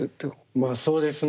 まあそうですね。